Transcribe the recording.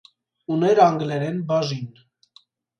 Ուներ անգլերեն բաժին։